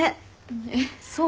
えっそう？